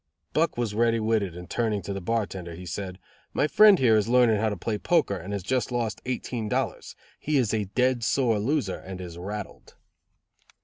Buck was ready witted and turning to the bartender, said: "My friend here is learning how to play poker and has just lost eighteen dollars. He is a dead sore loser and is rattled."